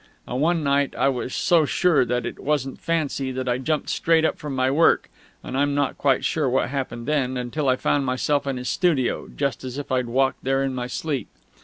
And one night I was so sure that it wasn't fancy that I jumped straight up from my work, and I'm not quite sure what happened then, until I found myself in his studio, just as if I'd walked there in my sleep.